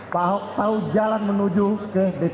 pak ahok tahu jalan menuju ke dpp